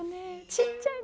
ちっちゃい。